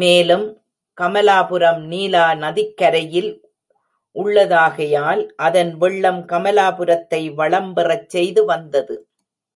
மேலும் கமலாபுரம் நீலா நதிக்கரையில் உள்ளதாகையால், அதன் வெள்ளம் கமலாபுரத்தை வளம்பெறச் செய்து வந்தது.